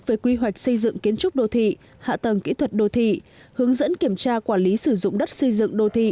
về quy hoạch xây dựng kiến trúc đô thị hạ tầng kỹ thuật đô thị hướng dẫn kiểm tra quản lý sử dụng đất xây dựng đô thị